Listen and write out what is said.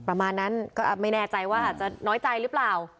ประมาณนั้นก็ไม่แน่ใจว่าอาจจะน้อยใจหรือเปล่า